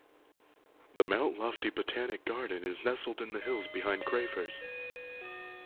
The Mount Lofty Botanic Garden is nestled in the hills behind Crafers.